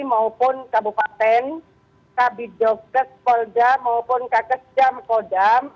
maupun kabupaten kabupaten jogja maupun kabupaten jogja